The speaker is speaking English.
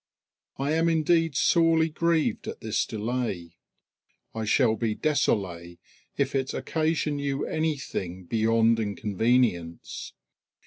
I am indeed sorely grieved at this delay. I shall be désolé if it occasion you anything beyond inconvenience.